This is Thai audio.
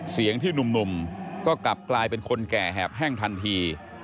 เสียงที่หนุ่มก็กลับกลายเป็นคนแก่แหบแห้งทันที